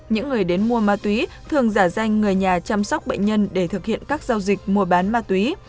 những người đến mua ma túy thường giả danh người nhà chăm sóc bệnh nhân để thực hiện các giao dịch mua bán ma túy